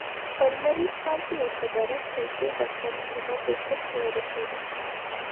په لمریز کال کې د صدارت څوکۍ ډاکټر محمد یوسف ته ورسېده.